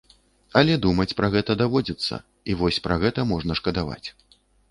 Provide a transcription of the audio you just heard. Але думаць пра гэта даводзіцца і вось пра гэта можна шкадаваць.